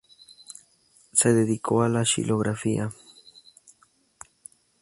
Se dedicó a la xilografía.